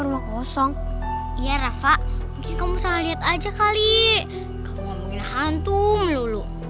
rumah kosong ya rafa mungkin kamu bisa lihat aja kali kamu ngomongin hantu melulu